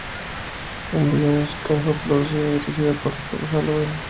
Un video musical fue producido, dirigido por Todd Hallowell.